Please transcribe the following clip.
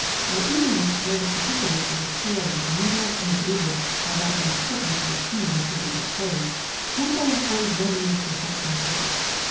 My eagerness to know the particulars of this tale was mingled and abated by my antipathy to the scene which would be disclosed. Hence I employed no means to effect my purpose.